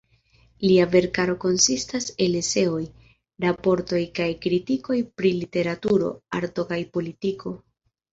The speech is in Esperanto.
Lia verkaro konsistas el eseoj, raportoj kaj kritikoj pri literaturo, arto kaj politiko.